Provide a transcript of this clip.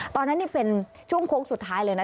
ตอนนั้นนี่เป็นช่วงโค้งสุดท้ายเลยนะ